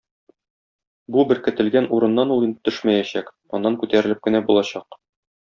Бу беркетелгән урыннан ул инде төшмәячәк, аннан күтәрелеп кенә булачак.